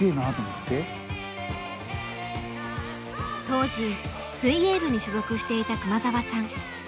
当時水泳部に所属していた熊澤さん。